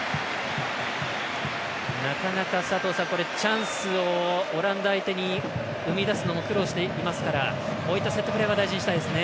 なかなかチャンスをオランダ相手に生み出すのも苦労していますからこういったセットプレーは大事にしたいですね。